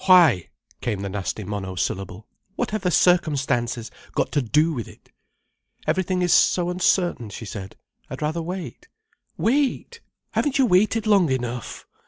"Why?" came the nasty monosyllable. "What have the circumstances got to do with it?" "Everything is so uncertain," she said. "I'd rather wait." "Wait! Haven't you waited long enough?